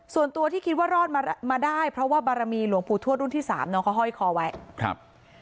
ส่วนตัวที่คิดว่ารอดมามาได้เพราะว่าบารมีหลวงปู่ทวดรุ่นที่สามน้องเขาห้อยคอไว้ครับ